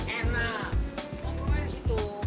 kalau kurang contrat